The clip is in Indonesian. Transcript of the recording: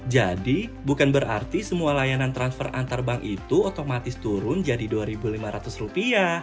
jadi bukan berarti semua layanan transfer antar bank itu otomatis turun jadi rp dua lima ratus